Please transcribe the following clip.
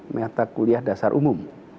mata kuliah dasar umum